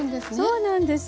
そうなんです。